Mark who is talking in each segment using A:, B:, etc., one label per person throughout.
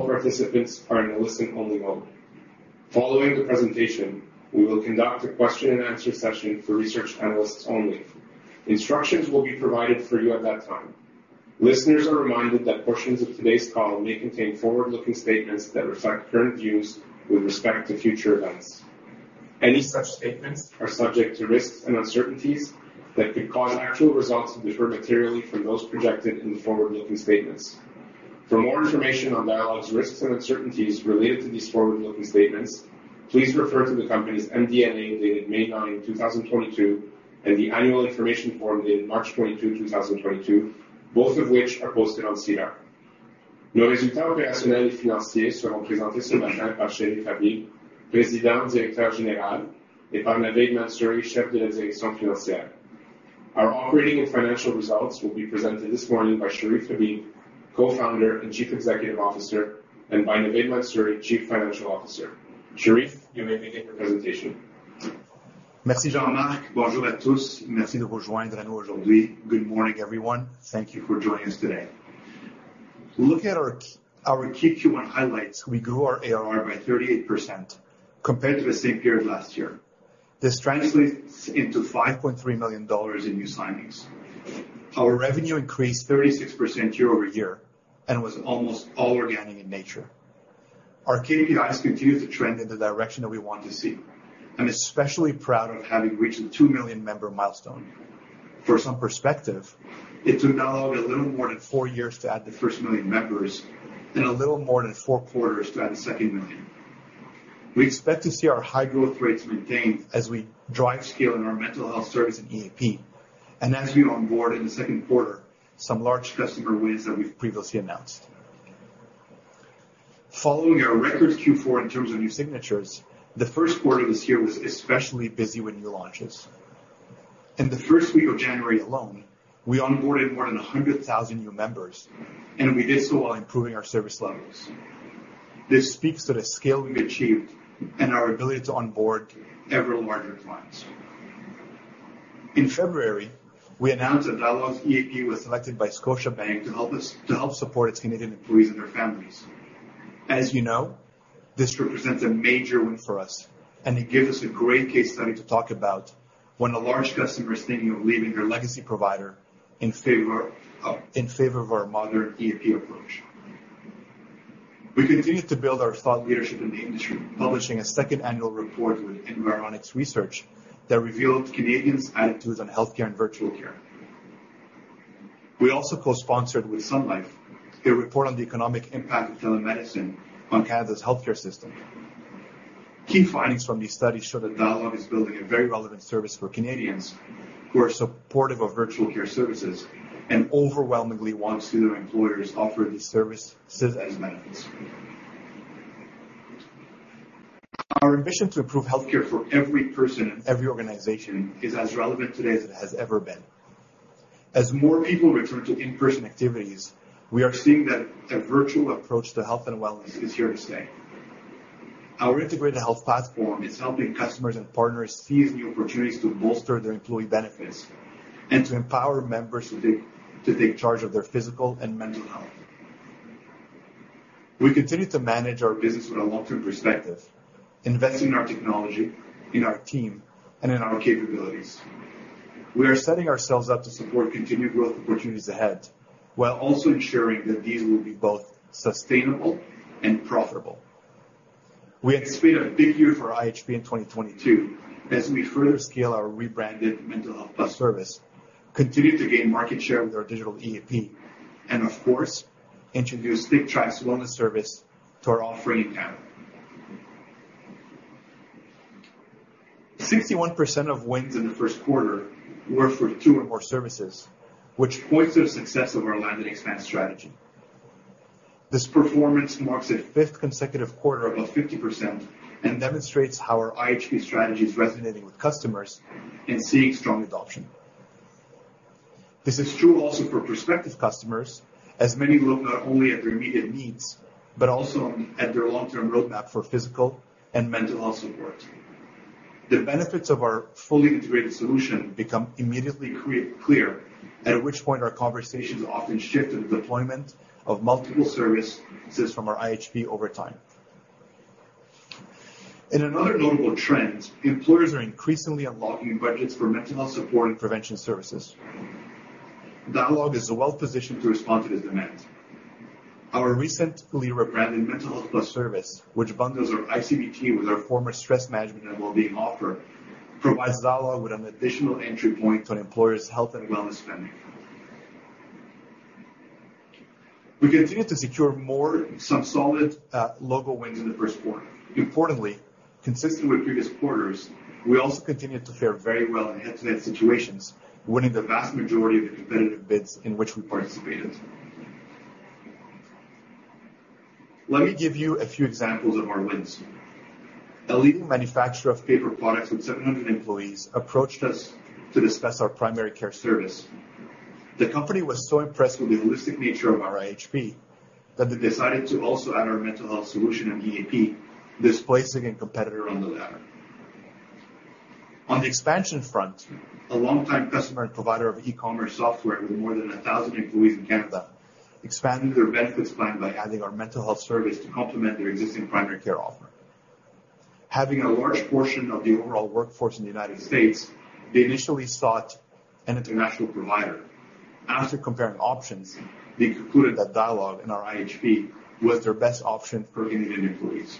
A: All participants are in a Listen-Only Mode. Following the presentation, we will conduct a Question and Answer Session for research analysts only. Instructions will be provided for you at that time. Listeners are reminded that portions of today's call may contain forward-looking statements that reflect current views with respect to future events. Any such statements are subject to risks and uncertainties that could cause actual results to differ materially from those projected in the forward-looking statements. For more information on Dialogue's risks and uncertainties related to these forward-looking statements, please refer to the company's MD&A dated May 9, 2022, and the annual information form dated March 22, 2022, both of which are posted on SEDAR. Our operating and financial results will be presented this morning by Cherif Habib, Co-founder and Chief Executive Officer, and by Navaid Mansuri, Chief Financial Officer. Cherif, you may begin your presentation.
B: Merci, Jean-Marc. Good morning, everyone. Thank you for joining us today. Looking at our key Q1 highlights, we grew our ARR by 38% compared to the same period last year. This translates into 5.3 million dollars in new signings. Our revenue increased 36% year-over-year and was almost all organic in nature. Our KPIs continue to trend in the direction that we want to see. I'm especially proud of having reached the 2 million member milestone. For some perspective, it took Dialogue a little more than four years to add the first 1 million members and a little more than fourth quarters to add a second million. We expect to see our high growth rates maintained as we drive scale in our mental health service and EAP, and as we onboard in the second quarter some large customer wins that we've previously announced. Following our record Q4 in terms of new signatures, the first quarter this year was especially busy with new launches. In the first week of January alone, we onboarded more than 100,000 new members, and we did so while improving our service levels. This speaks to the scale we've achieved and our ability to onboard ever larger clients. In February, we announced that Dialogue's EAP was selected by Scotiabank to help support its Canadian employees and their families. As you know, this represents a major win for us, and it gives us a great case study to talk about when a large customer is thinking of leaving their legacy provider in favor of our modern EAP approach. We continued to build our thought leadership in the industry, publishing a second annual report with Environics Research that revealed Canadians' attitudes on healthcare and virtual care. We also co-sponsored with Sun Life a report on the economic impact of telemedicine on Canada's healthcare system. Key findings from these studies show that Dialogue is building a very relevant service for Canadians who are supportive of virtual care services and overwhelmingly want to see their employers offer these services as benefits. Our ambition to improve healthcare for every person and every organization is as relevant today as it has ever been. As more people return to in-person activities, we are seeing that a virtual approach to health and wellness is here to stay. Our integrated health platform is helping customers and partners seize new opportunities to bolster their employee benefits and to empower members to take charge of their physical and mental health. We continue to manage our business with a long-term perspective, investing in our technology, in our team, and in our capabilities. We are setting ourselves up to support continued growth opportunities ahead, while also ensuring that these will be both sustainable and profitable. We expect a big year for IHP in 2022 as we further scale our rebranded Mental Health Plus service, continue to gain market share with our digital EAP, and of course introduce Tictrac's Wellness Service to our offering now. 61% of wins in the first quarter were for two or more services, which points to the success of our land and expand strategy. This performance marks a 5th consecutive quarter above 50% and demonstrates how our IHP strategy is resonating with customers and seeing strong adoption. This is true also for prospective customers as many look not only at their immediate needs, but also at their long-term roadmap for physical and mental health support. The benefits of our fully integrated solution become immediately clear, at which point our conversations often shift to the deployment of multiple services from our IHP over time. In another notable trend, employers are increasingly unlocking budgets for mental health support and prevention services. Dialogue is well-positioned to respond to this demand. Our recently rebranded Mental Health+ service, which bundles our ICBT with our former stress management and wellbeing offer, provides Dialogue with an additional entry point to an employer's health and wellness spending. We continued to secure more, some solid logo wins in the first quarter. Importantly, consistent with previous quarters, we also continued to fare very well in head-to-head situations, winning the vast majority of the competitive bids in which we participated. Let me give you a few examples of our wins. A leading manufacturer of paper products with 700 employees approached us to discuss our primary care service. The company was so impressed with the holistic nature of our IHP that they decided to also add our mental health solution and EAP, displacing a competitor on the latter. On the expansion front, a long time customer and provider of e-commerce software with more than 1,000 employees in Canada expanded their benefits plan by adding our mental health service to complement their existing primary care offer. Having a large portion of the overall workforce in the United States, they initially sought an international provider. After comparing options, they concluded that Dialogue and our IHP was their best option for Canadian employees.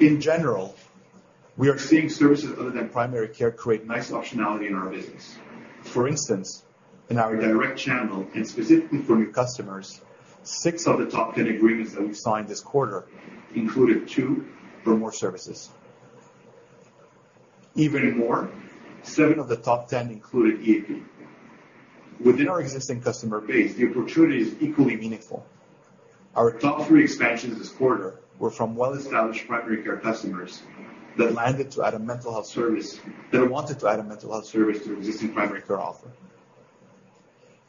B: In general, we are seeing services other than primary care create nice optionality in our business. For instance, in our direct channel and specifically for new customers, six of the top 10 agreements that we've signed this quarter included two or more services. Even more, seven of the top 10 included EAP. Within our existing customer base, the opportunity is equally meaningful. Our top three expansions this quarter were from well-established primary care customers that wanted to add a mental health service to existing primary care offering.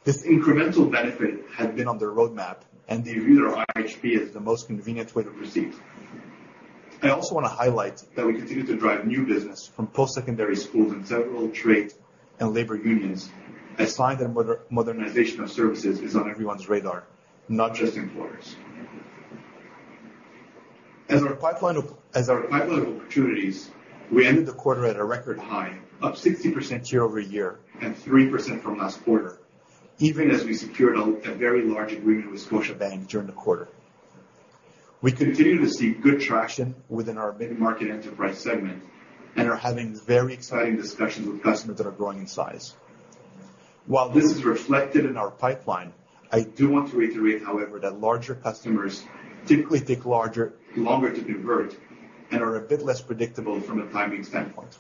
B: This incremental benefit had been on their roadmap, and they viewed our IHP as the most convenient way to proceed. I also want to highlight that we continue to drive new business from post-secondary schools and several trade and labor unions. A sign that modernization of services is on everyone's radar, not just employers. As our pipeline of opportunities, we ended the quarter at a record high, up 60% year-over-year and 3% from last quarter, even as we secured a very large agreement with Scotiabank during the quarter. We continue to see good traction within our mid-market enterprise segment and are having very exciting discussions with customers that are growing in size. While this is reflected in our pipeline, I do want to reiterate, however, that larger customers typically take longer to convert and are a bit less predictable from a timing standpoint.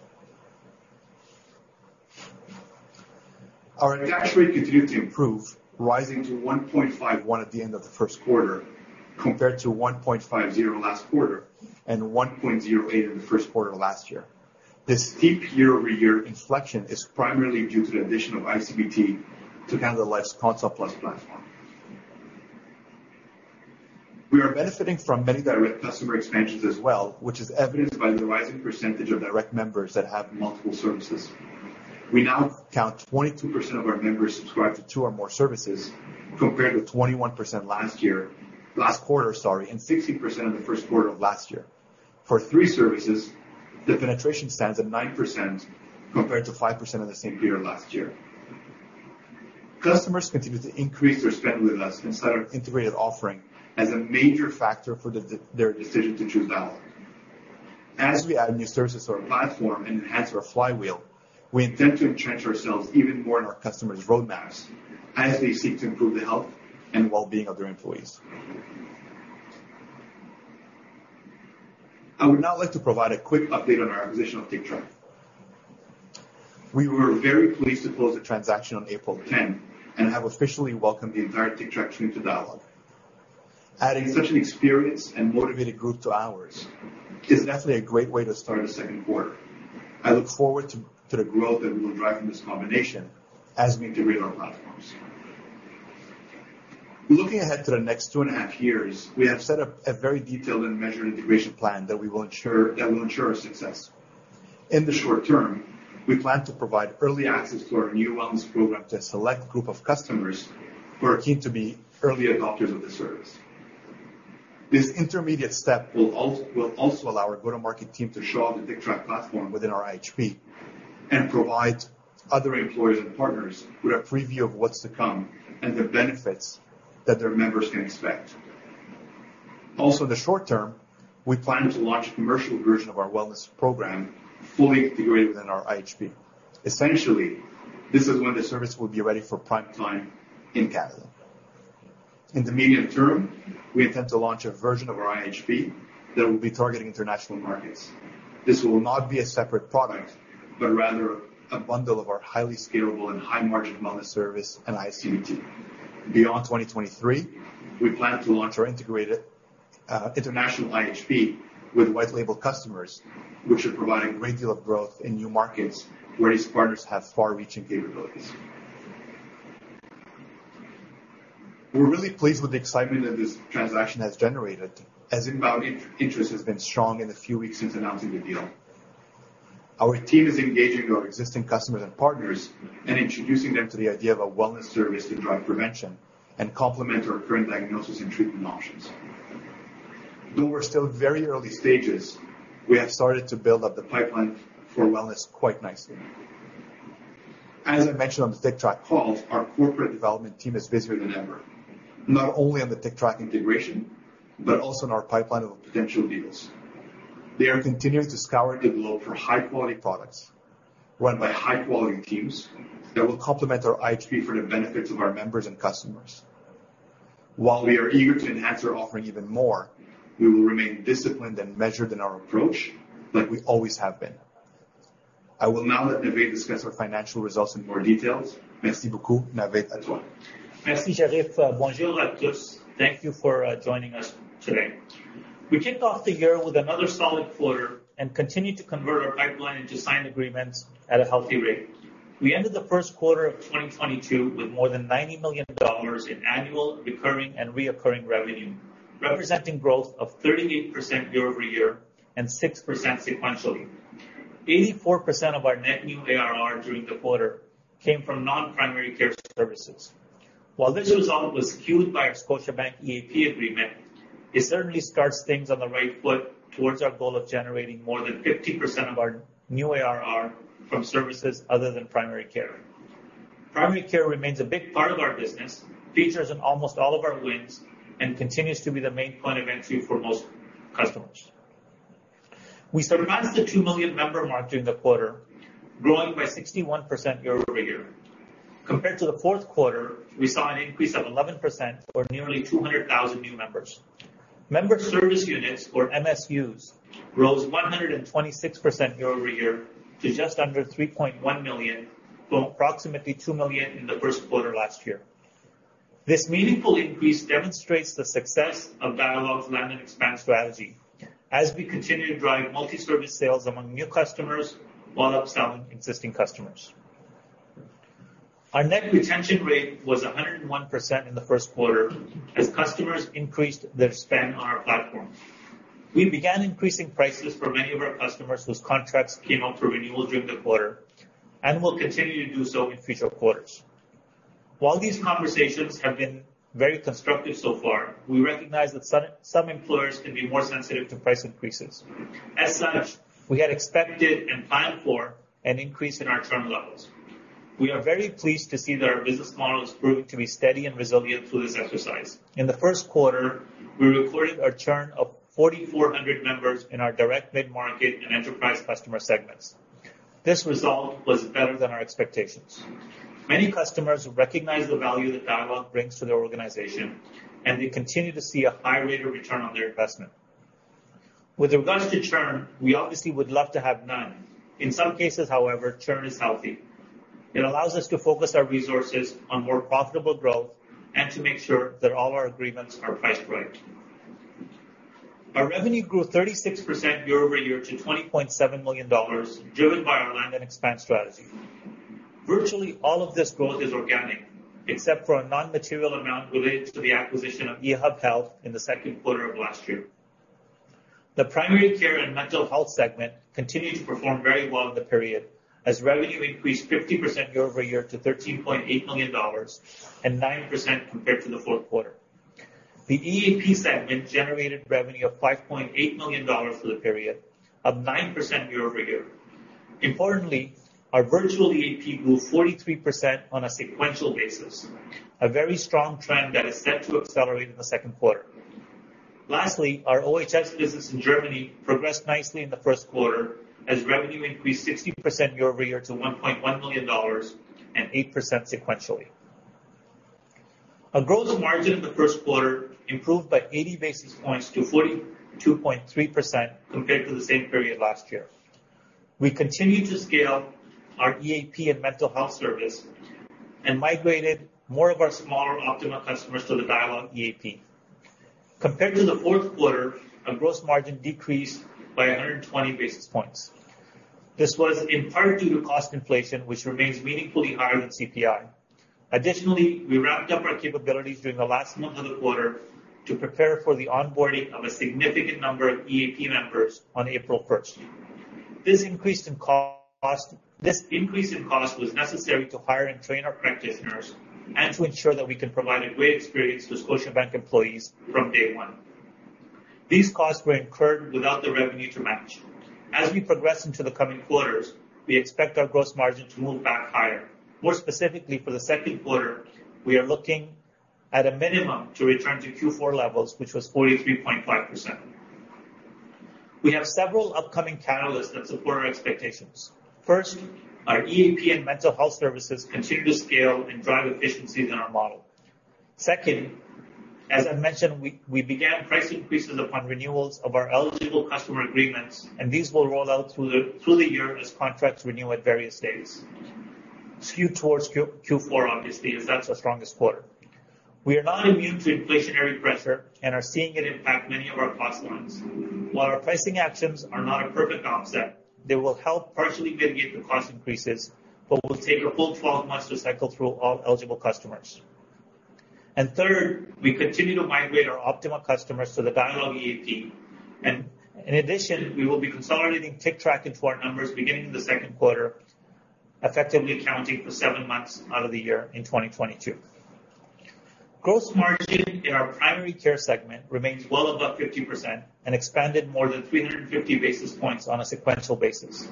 B: Our attach rate continued to improve, rising to 1.51 at the end of the first quarter compared to 1.50 last quarter and 1.08 in the first quarter last year. This steep year-over-year inflection is primarily due to the addition of ICBT to Canada Life's Consult+ platform. We are benefiting from many direct customer expansions as well, which is evidenced by the rising percentage of direct members that have multiple services. We now count 22% of our members subscribed to two or more services, compared with 21% last year, last quarter, sorry, and 60% in the first quarter of last year. For three services, the penetration stands at 9% compared to 5% in the same period last year. Customers continue to increase their spend with us and cite our integrated offering as a major factor for their decision to choose Dialogue. As we add new services to our platform and enhance our Flywheel, we intend to entrench ourselves even more in our customers' roadmaps as they seek to improve the health and well-being of their employees. I would now like to provide a quick update on our acquisition of Tictrac. We were very pleased to close the transaction on April 10 and have officially welcomed the entire Tictrac team to Dialogue. Adding such an experienced and motivated group to ours is definitely a great way to start a second quarter. I look forward to the growth that we will drive from this combination as we integrate our platforms. Looking ahead to the next two and a half years, we have set up a very detailed and measured integration plan that will ensure success. In the short term, we plan to provide early access to our new wellness program to a select group of customers who are keen to be early adopters of the service. This intermediate step will also allow our go-to-market team to show off the Tictrac platform within our IHP and provide other employers and partners with a preview of what's to come and the benefits that their members can expect. Also, in the short term, we plan to launch a commercial version of our wellness program fully integrated within our IHP. Essentially, this is when the service will be ready for prime time in Canada. In the medium term, we intend to launch a version of our IHP that will be targeting international markets. This will not be a separate product, but rather a bundle of our highly scalable and high margin wellness service and ICBT. Beyond 2023, we plan to launch our integrated international IHP with white label customers, which should provide a great deal of growth in new markets where these partners have far-reaching capabilities. We're really pleased with the excitement that this transaction has generated, as inbound interest has been strong in the few weeks since announcing the deal. Our team is engaging our existing customers and partners and introducing them to the idea of a wellness service to drive prevention and complement our current diagnosis and treatment options. Though we're still at very early stages, we have started to build up the pipeline for wellness quite nicely. As I mentioned on the Tictrac calls, our corporate development team is busier than ever, not only on the Tictrac integration, but also on our pipeline of potential deals. They are continuing to scour the globe for High-Quality Products run by High-Quality Teams that will complement our IHP for the benefit of our members and customers. While we are eager to enhance our offering even more, we will remain disciplined and measured in our approach like we always have been. I will now let Navaid discuss our financial results in more details.
C: Merci, Cherif. Bonjour à tous. Thank you for joining us today. We kicked off the year with another solid quarter and continued to convert our pipeline into signed agreements at a healthy rate. We ended the first quarter of 2022 with more than 90 million dollars in annual recurring revenue, representing growth of 38% year-over-year and 6% sequentially. 84% of our net new ARR during the quarter came from non-primary care services. While this result was skewed by our Scotiabank EAP agreement, it certainly starts things on the right foot towards our goal of generating more than 50% of our new ARR from services other than primary care. Primary care remains a big part of our business, features in almost all of our wins, and continues to be the main point of entry for most customers. We surpassed the 2 million member mark during the quarter, growing by 61% year-over-year. Compared to the fourth quarter, we saw an increase of 11% or nearly 200,000 new members. Member service units, or MSUs, rose 126% year-over-year to just under 3.1 million, from approximately 2 million in the first quarter last year. This meaningful increase demonstrates the success of Dialogue's land and expand strategy as we continue to drive multi-service sales among new customers while upselling existing customers. Our net retention rate was 101% in the first quarter as customers increased their spend on our platform. We began increasing prices for many of our customers whose contracts came up for renewal during the quarter, and will continue to do so in future quarters. While these conversations have been very constructive so far, we recognize that some employers can be more sensitive to price increases. As such, we had expected and planned for an increase in our churn levels. We are very pleased to see that our business model has proved to be steady and resilient through this exercise. In the first quarter, we recorded a churn of 4,400 members in our direct mid-market and enterprise customer segments. This result was better than our expectations. Many customers recognize the value that Dialogue brings to their organization, and they continue to see a high rate of return on their investment. With regards to churn, we obviously would love to have none. In some cases, however, churn is healthy. It allows us to focus our resources on more profitable growth and to make sure that all our agreements are priced right. Our revenue grew 36% year-over-year to 20.7 million dollars, driven by our land and expand strategy. Virtually all of this growth is organic, except for a non-material amount related to the acquisition of eHub Health in the second quarter of last year. The primary care and mental health segment continued to perform very well in the period as revenue increased 50% year-over-year to 13.8 million dollars, and 9% compared to the fourth quarter. The EAP segment generated revenue of 5.8 million dollars for the period, up 9% year-over-year. Importantly, our virtual EAP grew 43% on a sequential basis, a very strong trend that is set to accelerate in the second quarter. Lastly, our OHS business in Germany progressed nicely in the first quarter as revenue increased 60% year-over-year to 1.1 million dollars and 8% sequentially. Our gross margin in the first quarter improved by 80 basis points to 42.3% compared to the same period last year. We continued to scale our EAP and mental health service and migrated more of our smaller Optima customers to the Dialogue EAP. Compared to the fourth quarter, our gross margin decreased by 120 basis points. This was in part due to cost inflation, which remains meaningfully higher than CPI. Additionally, we ramped up our capabilities during the last month of the quarter to prepare for the onboarding of a significant number of EAP members on April 1. This increase in cost was necessary to hire and train our practitioners and to ensure that we can provide a great experience to Scotiabank employees from day one. These costs were incurred without the revenue to match. As we progress into the coming quarters, we expect our gross margin to move back higher. More specifically, for the second quarter, we are looking at a minimum to return to Q4 levels, which was 43.5%. We have several upcoming catalysts that support our expectations. First, our EAP and mental health services continue to scale and drive efficiencies in our model. Second, as I mentioned, we began price increases upon renewals of our eligible customer agreements, and these will roll out through the year as contracts renew at various days. Skewed towards Q4, obviously, as that's our strongest quarter. We are not immune to inflationary pressure and are seeing it impact many of our cost lines. While our pricing actions are not a perfect offset, they will help partially mitigate the cost increases, but will take a full 12 months to cycle through all eligible customers. Third, we continue to migrate our Optima customers to the Dialogue EAP, and in addition, we will be consolidating Tictrac into our numbers beginning in the second quarter, effectively accounting for 7 months out of the year in 2022. Gross margin in our primary care segment remains well above 50% and expanded more than 350 basis points on a sequential basis.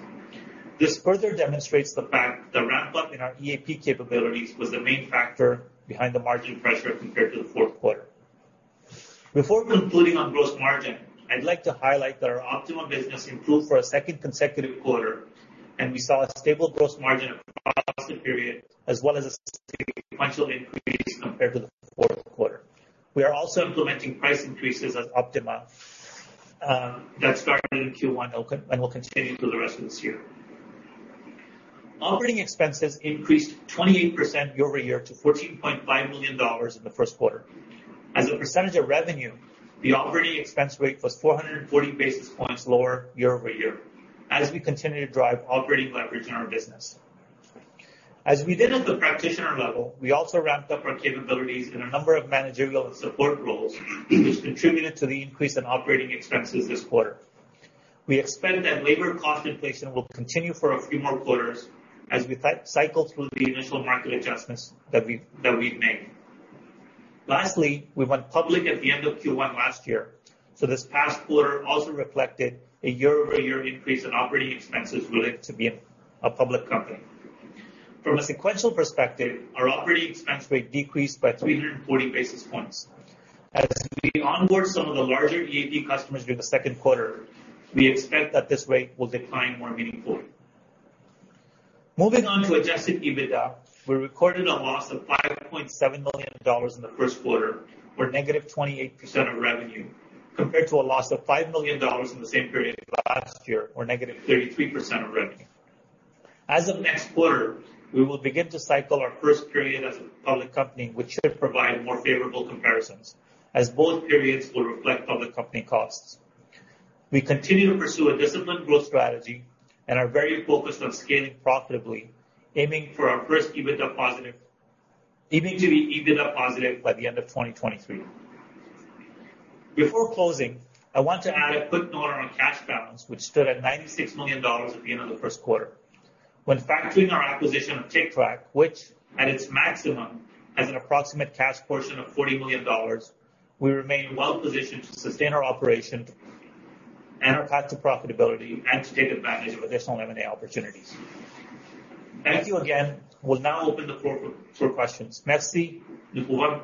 C: This further demonstrates the fact the ramp-up in our EAP capabilities was the main factor behind the margin pressure compared to the fourth quarter. Before concluding on gross margin, I'd like to highlight that our Optima business improved for a second consecutive quarter, and we saw a stable gross margin across the period as well as a sequential increase compared to the fourth quarter. We are also implementing price increases at Optima that started in Q1 and will continue through the rest of this year. Operating expenses increased 28% year-over-year to 14.5 million dollars in the first quarter. As a percentage of revenue, the operating expense rate was 440 basis points lower year-over-year as we continue to drive operating leverage in our business. As we did at the practitioner level, we also ramped up our capabilities in a number of managerial and support roles, which contributed to the increase in operating expenses this quarter. We expect that labor cost inflation will continue for a few more quarters as we cycle through the initial market adjustments that we've made. Lastly, we went public at the end of Q1 last year, so this past quarter also reflected a year-over-year increase in operating expenses related to being a public company. From a sequential perspective, our operating expense rate decreased by 340 basis points. As we onboard some of the larger EAP customers during the second quarter, we expect that this rate will decline more meaningfully. Moving on to adjusted EBITDA, we recorded a loss of 5.7 million dollars in the first quarter, or -28% of revenue, compared to a loss of 5 million dollars in the same period last year or -33% of revenue. As of next quarter, we will begin to cycle our first period as a public company, which should provide more favorable comparisons as both periods will reflect public company costs. We continue to pursue a disciplined growth strategy and are very focused on scaling profitably, aiming to be EBITDA positive by the end of 2023. Before closing, I want to add a quick note around cash balance, which stood at 96 million dollars at the end of the first quarter. When factoring our acquisition of Tictrac, which at its maximum has an approximate cash portion of $40 million, we remain well-positioned to sustain our operation and our path to profitability and to take advantage of additional M&A opportunities. Thank you again. We'll now open the floor for questions. Merci.
A: Thank you,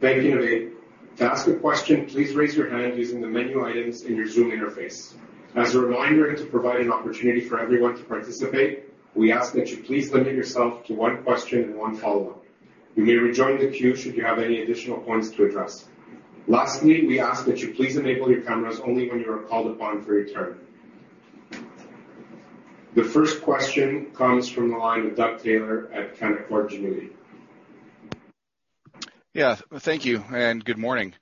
A: Navaid. To ask a question, please raise your hand using the menu items in your Zoom interface. As a reminder to provide an opportunity for everyone to participate, we ask that you please limit yourself to one question and one follow-up. You may rejoin the queue should you have any additional points to address. Lastly, we ask that you please enable your cameras only when you are called upon for your turn. The first question comes from the line of Doug Taylor at Canaccord Genuity.
D: Yeah. Thank you and good morning.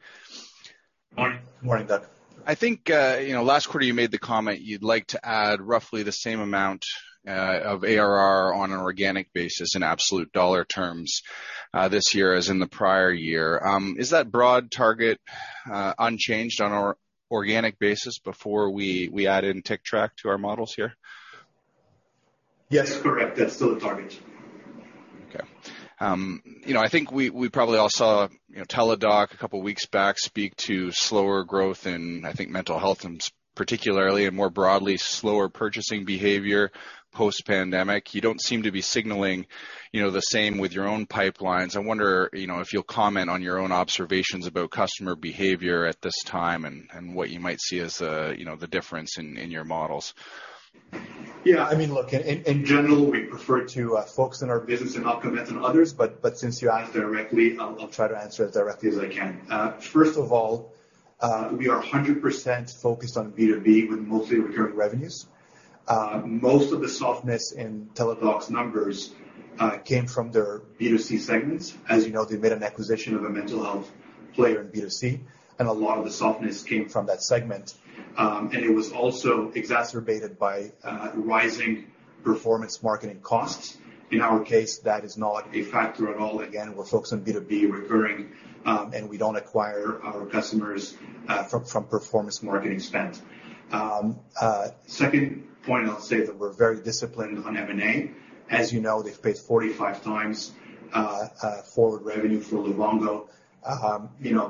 C: Morning.
B: Morning, Doug.
D: I think, you know, last quarter you made the comment you'd like to add roughly the same amount of ARR on an organic basis in absolute dollar terms this year as in the prior year. Is that broad target unchanged on our organic basis before we add in Tictrac to our models here?
B: Yes, correct. That's still the target.
D: Okay. You know, I think we probably all saw, you know, Teladoc Health a couple weeks back speak to slower growth in, I think, mental health and particularly and more broadly, slower purchasing behavior post-pandemic. You don't seem to be signaling, you know, the same with your own pipelines. I wonder, you know, if you'll comment on your own observations about customer behavior at this time and what you might see as, you know, the difference in your models.
B: Yeah, I mean, look, in general, we prefer to focus on our business and not comment on others, but since you asked directly, I'll try to answer it directly as I can. First of all, we are 100% focused on B2B with mostly recurring revenues. Most of the softness in Teladoc's numbers came from their B2C segments. As you know, they made an acquisition of a mental health player in B2C, and a lot of the softness came from that segment. It was also exacerbated by rising performance marketing costs. In our case, that is not a factor at all. Again, we're focused on B2B recurring, and we don't acquire our customers from performance marketing spend. Second point, I'll say that we're very disciplined on M&A. As you know, they've paid 45x forward revenue for Livongo. You know,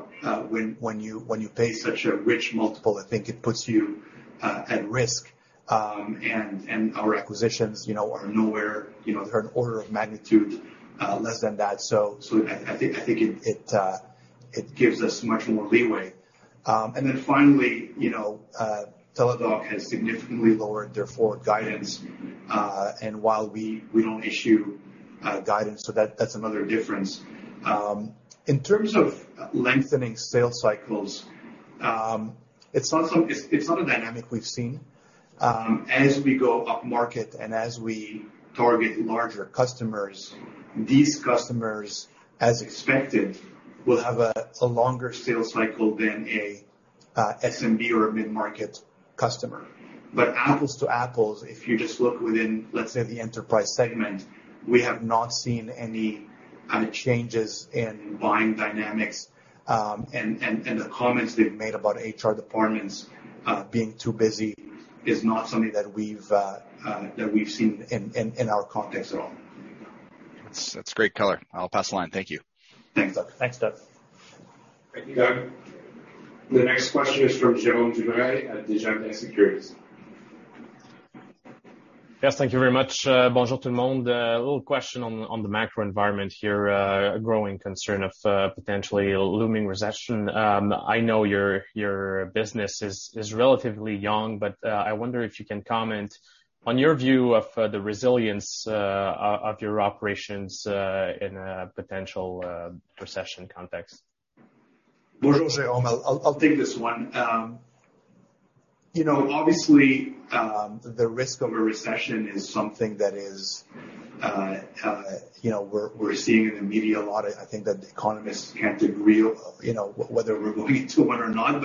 B: when you pay such a rich multiple, I think it puts you at risk. Our acquisitions, you know, are nowhere, you know, they're an order of magnitude less than that. I think it gives us much more leeway. Finally, you know, Teladoc has significantly lowered their forward guidance, and while we don't issue guidance, that's another difference. In terms of lengthening sales cycles, it's not a dynamic we've seen. As we go upmarket and as we target larger customers, these customers, as expected, will have a longer sales cycle than a SMB or a mid-market customer. Apples to apples, if you just look within, let's say, the enterprise segment, we have not seen any changes in buying dynamics. The comments they've made about HR departments being too busy is not something that we've seen in our context at all.
D: That's great color. I'll pass the line. Thank you.
B: Thanks, Doug.
A: Thanks, Doug. Thank you, Doug. The next question is from Jerome Dubreuil at Desjardins Capital Markets.
E: Yes, thank you very much.
B: A little question on the macro environment here. A growing concern of potentially a looming recession. I know your business is relatively young, but I wonder if you can comment on your view of the resilience of your operations in a potential recession context. I'll take this one. You know, obviously, the risk of a recession is something that is, you know, we're seeing in the media a lot. I think that the economists can't agree, you know, whether we're going into one or not.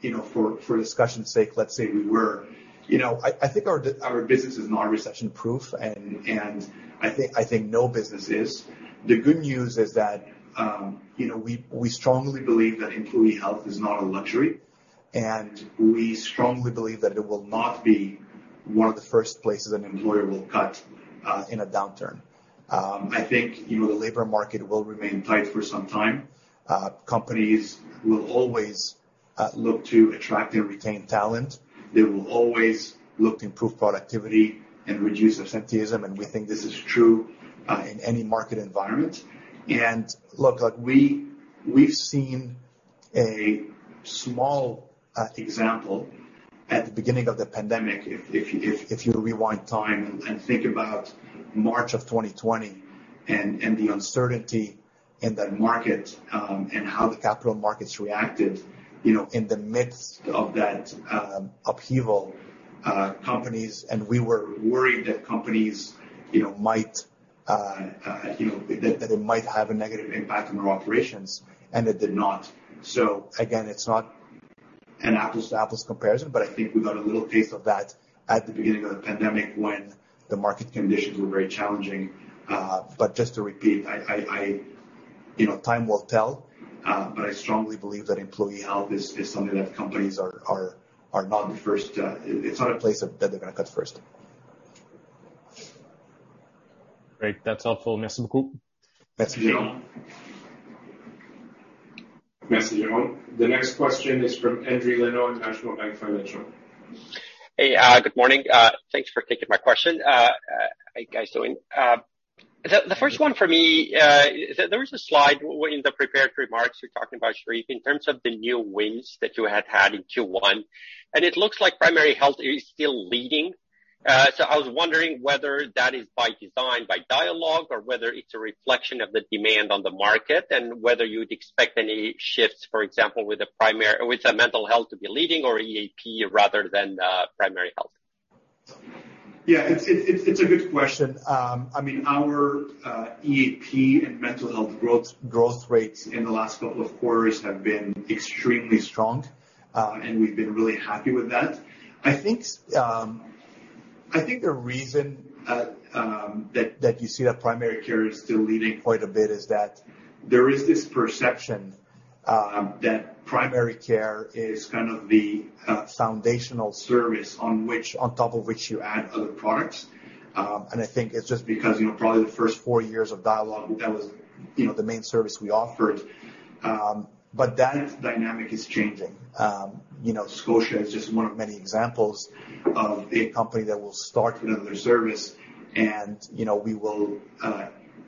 B: You know, for discussion's sake, let's say we were. You know, I think our business is not recession-proof, and I think no business is. The good news is that, you know, we strongly believe that employee health is not a luxury, and we strongly believe that it will not be one of the first places an employer will cut in a downturn. I think, you know, the labor market will remain tight for some time. Companies will always look to attract and retain talent. They will always look to improve productivity and reduce absenteeism, and we think this is true in any market environment. Look, like we've seen a small example at the beginning of the pandemic, if you rewind time and think about March of 2020 and the uncertainty in that market, and how the capital markets reacted, you know, in the midst of that upheaval, companies. We were worried that companies, you know, might have a negative impact on our operations, and it did not. Again, it's not an apples-to-apples comparison, but I think we got a little taste of that at the beginning of the pandemic when the market conditions were very challenging. Just to repeat, you know, time will tell, but I strongly believe that employee health is something that companies are not the first, it's not a place that they're gonna cut first.
E: Great. That's helpful.
B: Merci beaucoup.
C: Merci.
A: Merci, Jerome Dubreuil. The next question is from Endri Leno, National Bank Financial.
F: Hey, good morning. Thanks for taking my question. How you guys doing? The first one for me, there was a slide in the prepared remarks you were talking about, Cherif, in terms of the new wins that you had had in Q1, and it looks like primary health is still leading. So I was wondering whether that is by design, by Dialogue, or whether it's a reflection of the demand on the market, and whether you'd expect any shifts, for example, with the mental health to be leading or EAP rather than primary health.
B: Yeah, it's a good question. I mean, our EAP and mental health growth rates in the last couple of quarters have been extremely strong, and we've been really happy with that. I think the reason that you see that primary care is still leading quite a bit is that there is this perception that primary care is kind of the foundational service on top of which you add other products. I think it's just because, you know, probably the first four years of Dialogue that was, you know, the main service we offered. That dynamic is changing. You know, Scotiabank is just one of many examples of a company that will start their service and, you know, we will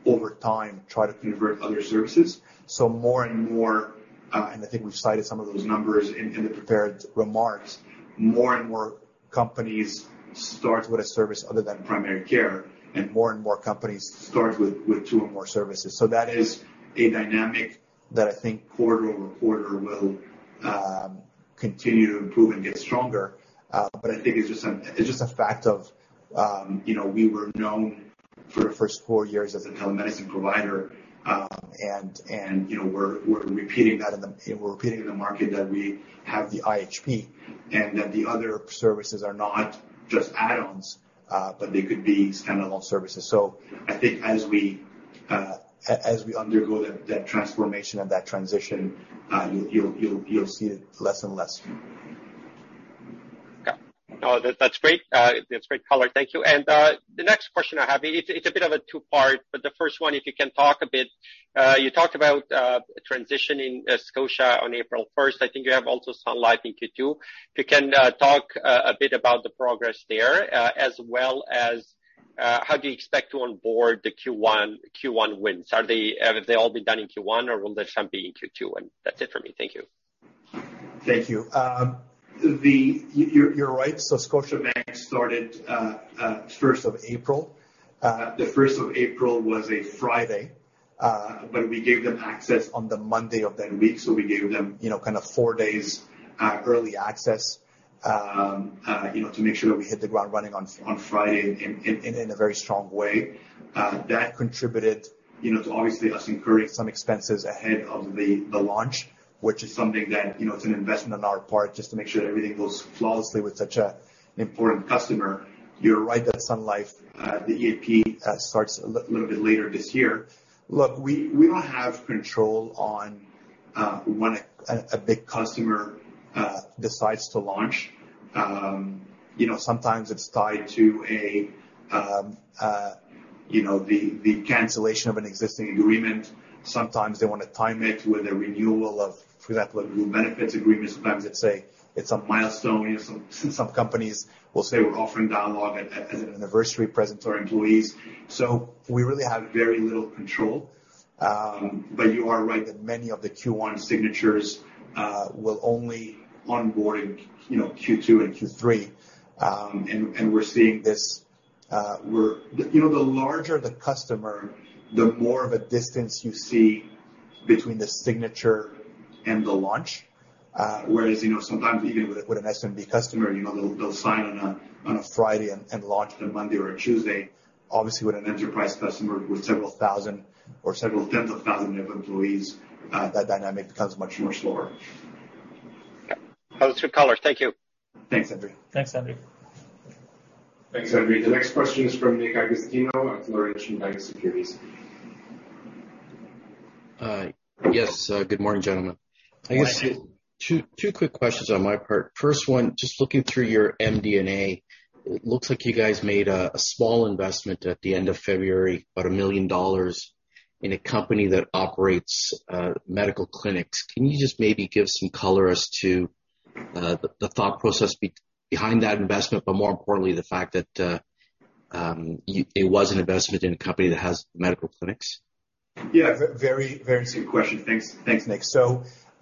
B: over time try to convert other services. More and more, and I think we've cited some of those numbers in the prepared remarks, more and more companies start with a service other than primary care, and more and more companies start with two or more services. That is a dynamic that I think quarter-over-quarter will continue to improve and get stronger. But I think it's just a fact of, you know, we were known for the first four years as a telemedicine provider. You know, we're repeating that in the market that we have the IHP and that the other services are not just add-ons, but they could be standalone services. I think as we undergo that transformation and that transition, you'll see it less and less.
F: Okay. No, that's great. That's great color. Thank you. The next question I have, it's a bit of a two-part, but the first one, if you can talk a bit, you talked about transitioning Scotia on April first. I think you have also Sun Life in Q2. If you can talk a bit about the progress there, as well as how do you expect to onboard the Q1 wins? Have they all been done in Q1, or will there be some in Q2? That's it for me. Thank you.
B: Thank you. You're right. Scotiabank started first of April. The first of April was a Friday, but we gave them access on the Monday of that week. We gave them, you know, kind of four days early access, you know, to make sure that we hit the ground running on Friday in a very strong way. That contributed, you know, to obviously us incurring some expenses ahead of the launch, which is something that, you know, it's an investment on our part just to make sure that everything goes flawlessly with such a important customer. You're right that Sun Life, the EAP, starts a little bit later this year. Look, we don't have control on when a big customer decides to launch. You know, sometimes it's tied to the cancellation of an existing agreement. Sometimes they wanna time it with a renewal of, for example, a group benefits agreement. Sometimes, say, it's a milestone. You know, some companies will say we're offering Dialogue as an anniversary present to our employees. So we really have very little control. You are right that many of the Q1 signatures will only onboard in, you know, Q2 and Q3. We're seeing this. You know, the larger the customer, the more of a distance you see between the signature and the launch. Whereas, you know, sometimes even with an SMB customer, you know, they'll sign on a Friday and launch on a Monday or a Tuesday. Obviously, with an enterprise customer with several thousand or several tens of thousand of employees, that dynamic becomes much more slower.
F: That was two callers. Thank you.
B: Thanks, Endri.
C: Thanks, Endri.
A: Thanks, Endri. The next question is from Nick Agostino at Laurentian Bank Securities.
G: Yes, good morning, gentlemen. I guess two quick questions on my part. First one, just looking through your MD&A, it looks like you guys made a small investment at the end of February, about 1 million dollars in a company that operates medical clinics. Can you just maybe give some color as to the thought process behind that investment, but more importantly, the fact that it was an investment in a company that has medical clinics?
B: Very, very simple question. Thanks, Nick.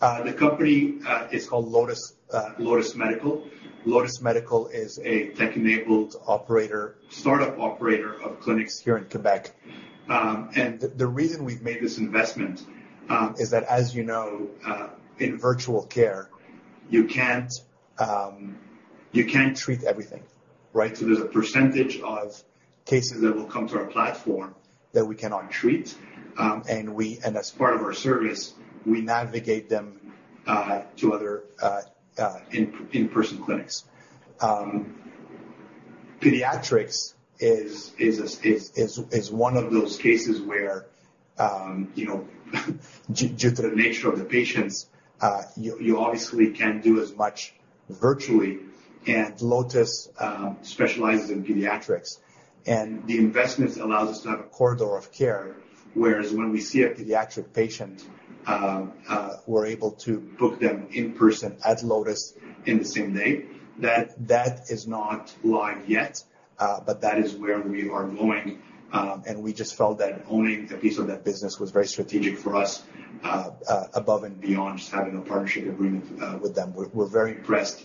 B: The company is called Lotus Medical. Lotus Medical is a tech-enabled operator, startup operator of clinics here in Quebec. The reason we've made this investment is that, as you know, in virtual care, you can't treat everything, right? There's a percentage of cases that will come to our platform that we cannot treat, and as part of our service, we navigate them to other in-person clinics. Pediatrics is one of those cases where, you know, due to the nature of the patients, you obviously can't do as much virtually. Lotus specializes in pediatrics, and the investment allows us to have a corridor of care, whereas when we see a pediatric patient, we're able to book them in person at Lotus in the same day. That is not live yet, but that is where we are going. We just felt that owning a piece of that business was very strategic for us, above and beyond just having a partnership agreement with them. We're very impressed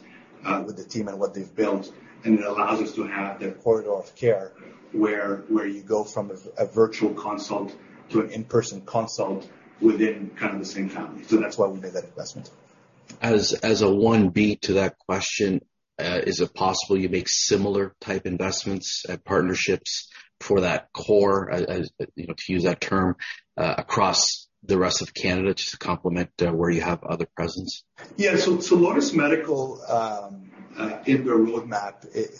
B: with the team and what they've built, and it allows us to have that corridor of care where you go from a virtual consult to an in-person consult within kind of the same family. That's why we made that investment.
G: As a follow-up to that question, is it possible you make similar type investments and partnerships for that core as, you know, to use that term, across the rest of Canada just to complement where you have other presence?
B: Yeah. Lotus Medical, in their roadmap,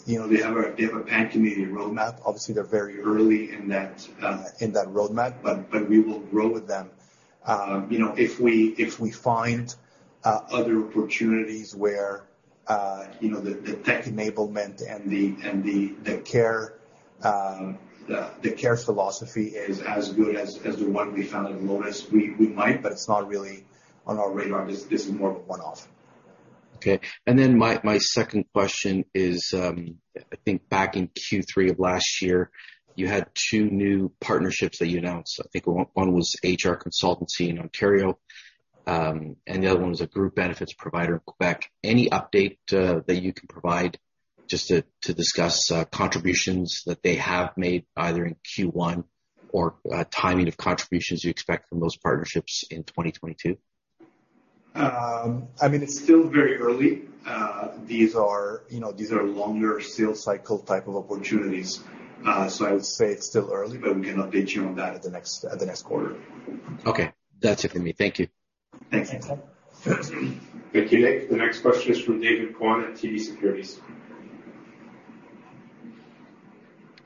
B: you know, they have a pan-Canadian roadmap. Obviously, they're very early in that roadmap, but we will grow with them. You know, if we find other opportunities where, you know, the tech-enablement and the care philosophy is as good as the one we found at Lotus, we might, but it's not really on our radar. This is more of a one-off.
G: Okay. My second question is, I think back in Q3 of last year, you had two new partnerships that you announced. I think one was HR consultancy in Ontario, and the other one was a group benefits provider in Quebec. Any update that you can provide just to discuss contributions that they have made either in Q1 or timing of contributions you expect from those partnerships in 2022?
B: I mean, it's still very early. These are, you know, these are longer sales cycle type of opportunities. So I would say it's still early, but we can update you on that at the next quarter.
G: Okay. That's it for me. Thank you.
B: Thanks, Nick.
C: Thanks.
A: Thank you, Nick. The next question is from David Kwan at TD Securities.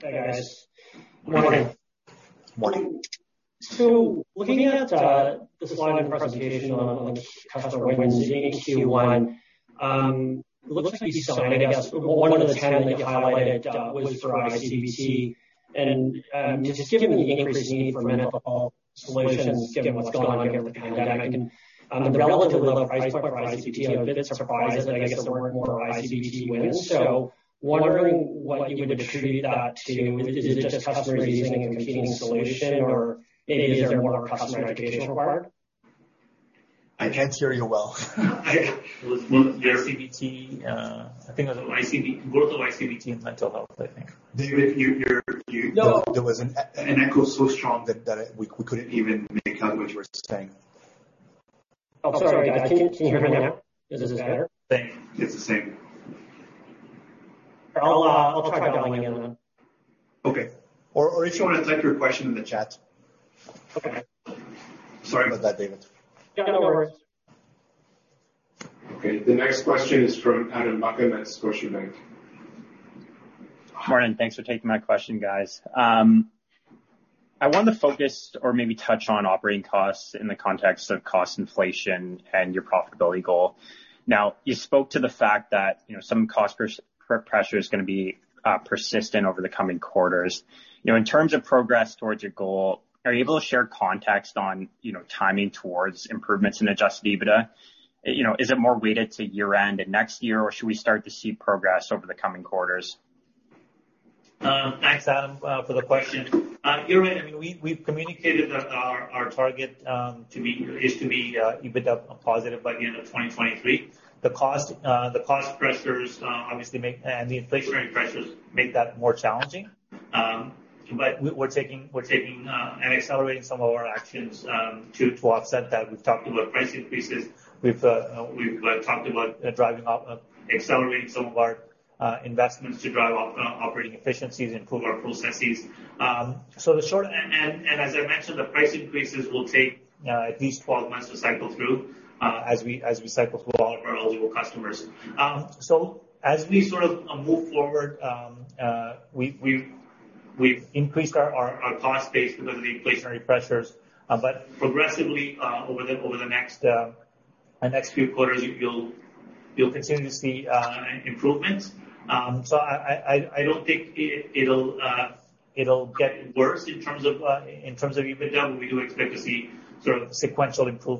H: Hi, guys. Good morning.
B: Morning.
H: Looking at the slide and presentation on customer wins in Q1, looks like you signed, I guess, one of the ten that you highlighted was for iCBT. Just given the increased need for mental health solutions, given what's gone on over the pandemic and the relatively low price point for iCBT, I'm a bit surprised that I guess there weren't more iCBT wins. Wondering what you would attribute that to. Is it just customers using a competing solution or maybe is there more customer education required?
B: I can't hear you well.
C: It was more ICBT. I think it was ICBT, both ICBT and mental health, I think.
B: David, you're
H: No.
B: There was an echo so strong that we couldn't even make out what you were saying.
H: Oh, sorry, guys. Can you hear me now? Is this better?
B: Same. It's the same.
H: I'll try dialing in then.
B: Okay. If you wanna type your question in the chat.
H: Okay.
B: Sorry about that, David.
H: Yeah, no worries.
A: Okay, the next question is from Adam Buckham at Scotiabank.
I: Morning. Thanks for taking my question, guys. I want to focus or maybe touch on operating costs in the context of cost inflation and your profitability goal. Now, you spoke to the fact that, you know, some cost pressure is gonna be persistent over the coming quarters. You know, in terms of progress towards your goal, are you able to share context on, you know, timing towards improvements in adjusted EBITDA? You know, is it more weighted to year-end and next year, or should we start to see progress over the coming quarters?
C: Thanks, Adam, for the question. You're right. I mean, we've communicated our target is to be EBITDA positive by the end of 2023. The cost pressures and the inflationary pressures obviously make that more challenging. We're taking and accelerating some of our actions to offset that. We've talked about price increases. We've talked about driving up, accelerating some of our investments to drive operating efficiencies, improve our processes. As I mentioned, the price increases will take at least 12 months to cycle through as we cycle through all of our eligible customers. As we sort of move forward, we've increased our cost base because of the inflationary pressures. Progressively over the next few quarters, you'll continue to see improvements. I don't think it'll get worse in terms of EBITDA, but we do expect to see sort of sequential improvement.